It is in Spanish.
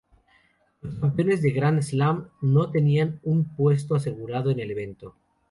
Los campeones de Gran Slam, no tenían un puesto asegurado en el evento.